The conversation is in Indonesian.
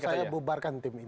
saya bubarkan tim ini